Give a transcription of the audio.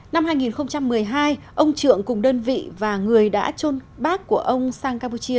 năm hai nghìn một mươi hai ông trượng cùng đơn vị và người đã trôn bác của ông sang campuchia